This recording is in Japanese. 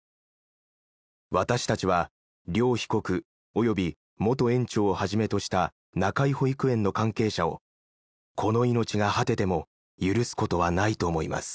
「私達は両被告及び元園長をはじめとした中井保育園の関係者をこの命が果てても許すことはないと思います」。